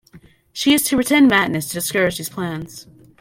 She is to pretend madness to discourage these plans.